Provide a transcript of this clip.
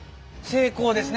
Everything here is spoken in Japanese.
成功です。